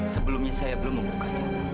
sebelumnya saya belum membukanya